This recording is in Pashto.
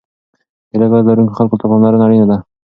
د لږ عاید لرونکو خلکو ته پاملرنه اړینه ده.